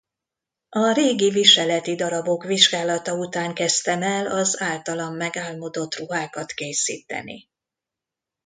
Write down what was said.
A régi viseleti darabok vizsgálata után kezdtem el az általam megálmodott ruhákat készíteni.